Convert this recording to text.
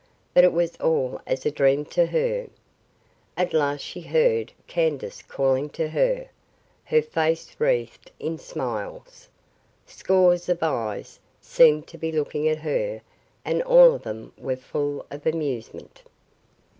But it was all as a dream to her. At last she heard Candace calling to her, her face wreathed in smiles. Scores of eyes seemed to be looking at her and all of them were full of amusement.